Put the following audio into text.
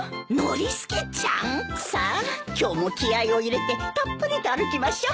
さあ今日も気合を入れてたっぷりと歩きましょう。